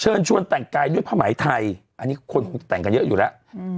เชิญชวนแต่งกายด้วยภาหมายไทยอันนี้คนคงจะแต่งกันเยอะอยู่แล้วอืม